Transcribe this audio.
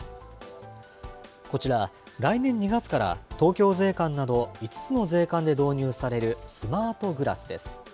こちら、来年２月から東京税関など５つの税関で導入されるスマートグラスです。